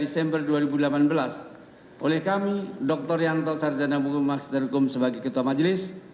tiga desember dua ribu delapan belas oleh kami dr yanto sarjana hukum magister hukum sebagai ketua majelis